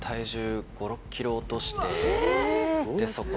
そこ。